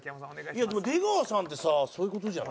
いやでも出川さんってさそういう事じゃん。